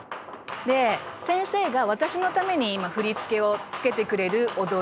「で先生が私のために今振りつけをつけてくれる踊りを今踊ってます」